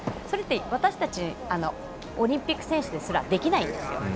それって私たちオリンピック選手ですらできないんですよ。